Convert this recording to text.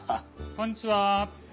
こんにちは。